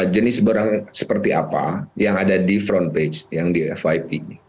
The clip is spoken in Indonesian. jenis barang seperti apa yang ada di front page yang di fip